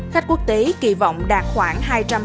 khách quốc tế kỳ vọng đạt khoảng